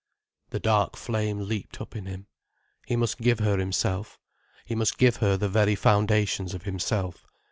The dark flame leaped up in him. He must give her himself. He must give her the very foundations of himself.